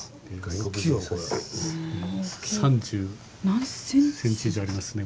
３０センチ以上ありますね。